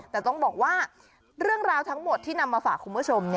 แต่ต้องบอกว่าเรื่องราวทั้งหมดที่นำมาฝากคุณผู้ชม